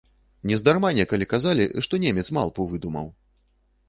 Нездарма некалі казалі, што немец малпу выдумаў.